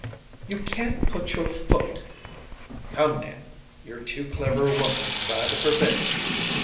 "You can't put your foot " "Come now. You're too clever a woman to try to prevent me.